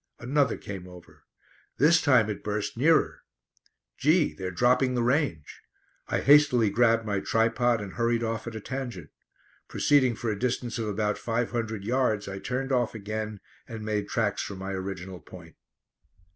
Another came over. This time it burst nearer. "Gee! they're dropping the range." I hastily grabbed my tripod and hurried off at a tangent. Proceeding for a distance of about five hundred yards I turned off again and made tracks for my original point.